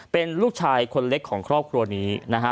เป็นลูกชายคนเล็กของครอบครัวนี้นะฮะ